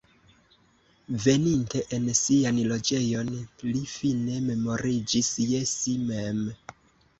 Veninte en sian loĝejon, li fine memoriĝis je si mem.